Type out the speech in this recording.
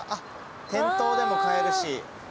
店頭でも買えるし。